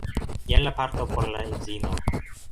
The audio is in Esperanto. jen la parto por la edzino